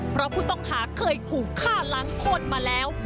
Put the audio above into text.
เพราะผู้ต้องหาเคยขู่ฆ่าล้างโคตรมาแล้ว